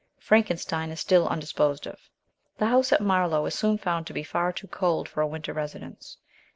Frankenstein is still undisposed of. The house at Marlow is soon found to be far too cold for a winter residence.